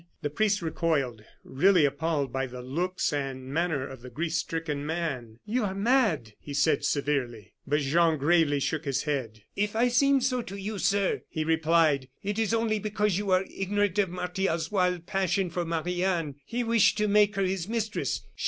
The priest recoiled, really appalled by the looks and manner of the grief stricken man. "You are mad!" he said, severely. But Jean gravely shook his head. "If I seem so to you, sir," he replied, "it is only because you are ignorant of Martial's wild passion for Marie Anne. He wished to make her his mistress.